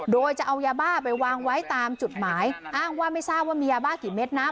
โดยจะเอายาบ้าไปวางไว้ตามจุดหมายอ้างว่าไม่ทราบว่ามียาบ้ากี่เม็ดนะ